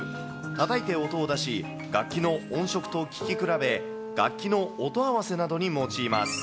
たたいて音を出し、楽器の音色と聴き比べ、楽器の音合わせなどに用います。